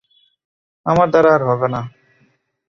আমার দ্বারা আর হবে না।